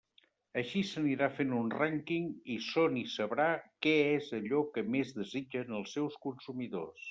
Així s'anirà fent un rànquing i Sony sabrà què és allò que més desitgen els seus consumidors.